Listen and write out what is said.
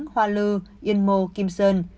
hoa lư yên mô kim sơn